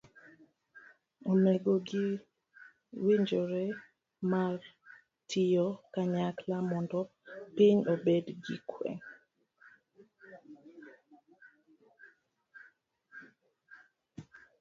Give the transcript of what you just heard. Onego giwinjre mar tiyo kanyakla mondo piny obed gi kwe.